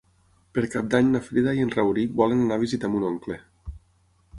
Per Cap d'Any na Frida i en Rauric volen anar a visitar mon oncle.